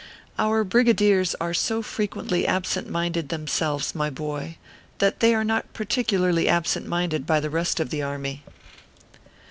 Our brigadiers are so frequently absent minded themselves, my boy, that they are not particularly absent minded by the rest of the army.